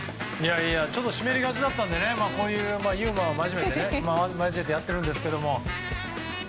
ちょっと湿りがちだったのでこういうユーモアを交えてやってるんですけども。